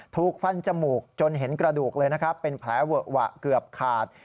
ถูกฟันจมูกจนเห็นกระดูกเลยนะครับเป็นแผลเวอะหวะเกือบขาด